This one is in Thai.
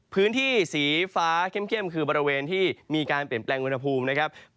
พื้นที่สีฟ้าเข้มคือบริเวณที่มีการเปลี่ยนแปลงอุณหภูมินะครับ